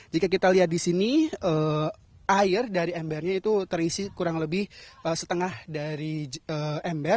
jika kita lihat di sini air dari embernya itu terisi kurang lebih setengah dari ember